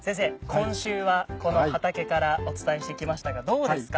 今週はこの畑からお伝えしてきましたがどうですか？